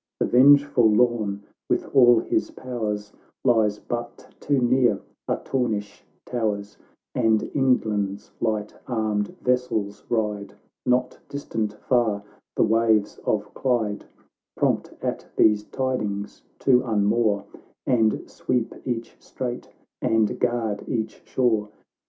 The vengeful Lorn, with all his powers, Lies but too near Artornish towers, And England's light armed vessels ride, Not distant far, the waves of Clyde, Prompt at these tidings to unmoor, And sweep each strait, and guard each shore.